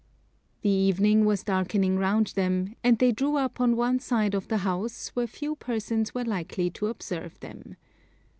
The evening was darkening round them, and they drew up on one side of the house, where few persons were likely to observe them.